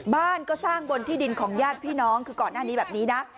บ้านก็สร้างบนที่ดินของญาติพี่น้องคือก่อนหน้านี้แบบนี้นะ